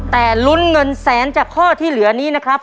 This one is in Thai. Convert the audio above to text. แต่ลุ้นเงินแสนจากข้อที่เหลือนี้นะครับ